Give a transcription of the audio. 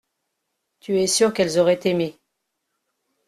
Tu es sûr qu’elles auraient aimé.